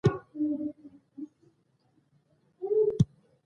په څلي کې لیکل شوې نېټه له مخې پاچا واک ته رسېدلی